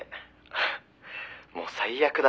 「フッもう最悪だ」